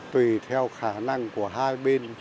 tùy theo khả năng của hai bên